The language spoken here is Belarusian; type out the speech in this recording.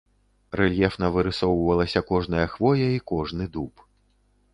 Рэльефна вырысоўвалася кожная хвоя і кожны дуб.